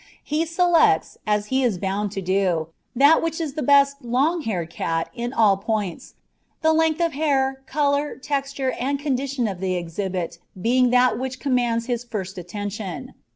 He selects, as he is bound to do, that which is the best long haired cat in all points, the length of hair, colour, texture, and condition of the exhibit being that which commands his first attention.